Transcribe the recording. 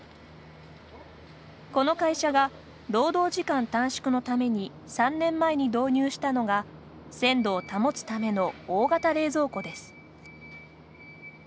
この会社が労働時間短縮のために３年前に導入したのが鮮度を保つための大型冷蔵庫です。